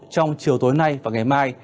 trong chiều tối nay và ngày mai